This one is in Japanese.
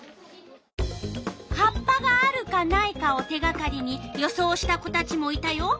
葉っぱがあるかないかを手がかりに予想した子たちもいたよ。